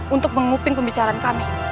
untuk menguping pembicaraan kami